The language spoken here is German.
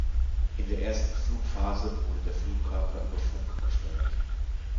In der ersten Flugphase wurde der Flugkörper über Funk gesteuert.